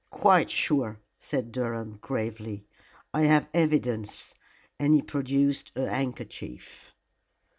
"Quite sure," said Durham, gravely. "I have evidence," and he produced a handkerchief.